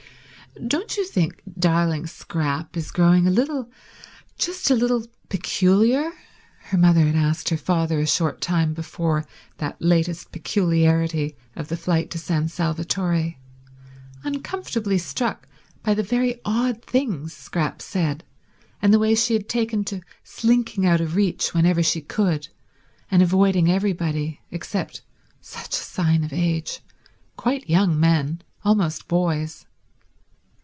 "Don't you think darling Scrap is growing a little, just a little, peculiar?" her mother had asked her father a short time before that latest peculiarity of the flight to San Salvatore, uncomfortably struck by the very odd things Scrap said and the way she had taken to slinking out of reach whenever she could and avoiding everybody except —such a sign of age—quite young men, almost boys.